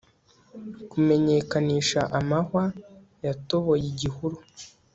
Kumenyekanisha amahwa yatoboyeigihuru